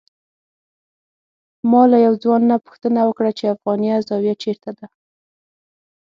ما له یو ځوان نه پوښتنه وکړه چې افغانیه زاویه چېرته ده.